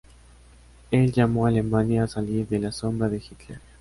Él llamó a Alemania a "salir de la sombra de Hitler".